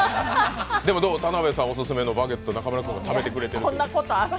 田辺さん、オススメのバゲット中丸さんが食べてくれてる。